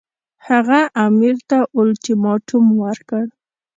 هغه امیر ته اولټیماټوم ورکړ.